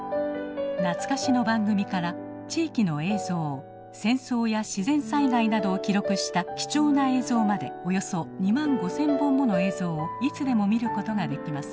懐かしの番組から地域の映像戦争や自然災害などを記録した貴重な映像までおよそ２万５，０００本もの映像をいつでも見ることができます。